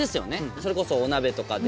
それこそお鍋とかで。